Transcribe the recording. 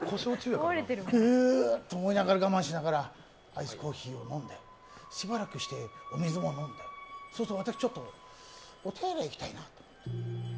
ううと思いながら我慢しながらアイスコーヒーを飲んで、しばらくしてお水も飲んで、そうすると、私、お手洗いに行きたいな。